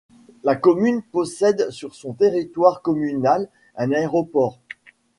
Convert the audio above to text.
La commune possède sur son territoire communal un aéroport.